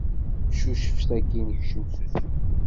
Cucef sakin kcem s usu.